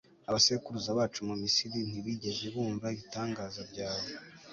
abasekuruza bacu mu misiri ntibigeze bumva ibitangaza byawe